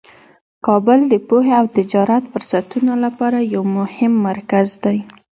کابل د پوهې او تجارتي فرصتونو لپاره یو مهم مرکز دی.